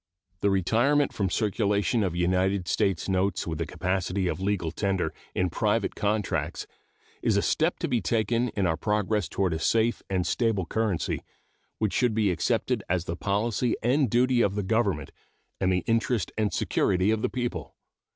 The retirement from circulation of United States notes with the capacity of legal tender in private contracts is a step to be taken in our progress toward a safe and stable currency which should be accepted as the policy and duty of the Government and the interest and security of the people.